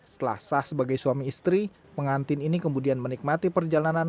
setelah sah sebagai suami istri pengantin ini kemudian menikmati perjalanan